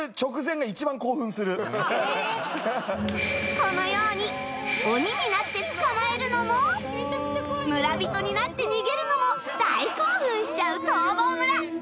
このように鬼になって捕まえるのも村人になって逃げるのも大興奮しちゃう『逃亡村』